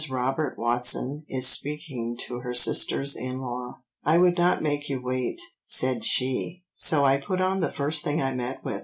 Robert Watson is speaking to her sisters in law, "'I would not make you wait,' said she, 'so I put on the first thing I met with.